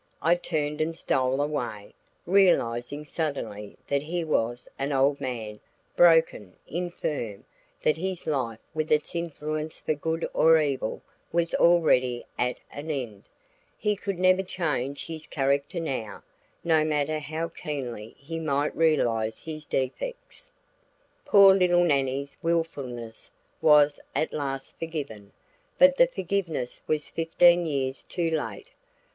I turned and stole away, realizing suddenly that he was an old man, broken, infirm; that his life with its influence for good or evil was already at an end; he could never change his character now, no matter how keenly he might realize his defects. Poor little Nannie's wilfulness was at last forgiven, but the forgiveness was fifteen years too late.